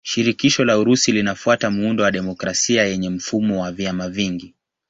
Shirikisho la Urusi linafuata muundo wa demokrasia yenye mfumo wa vyama vingi.